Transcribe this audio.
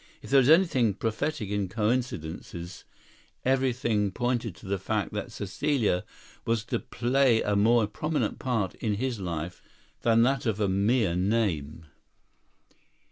If there is anything prophetic in coincidences, everything pointed to the fact that Caecilia was to play a more prominent part in his life than that of a mere name.